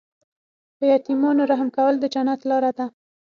په یتیمانو رحم کول د جنت لاره ده.